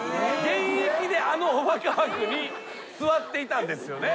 現役であのおバカ枠に座っていたんですよね。